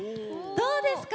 どうですか？